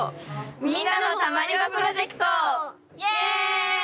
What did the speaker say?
みんなのたまり場プロジェクト！